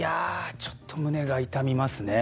ちょっと胸が痛みますね。